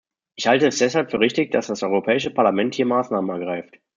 Ich halte es deshalb für richtig, dass das Europäische Parlament hier Maßnahmen ergreift.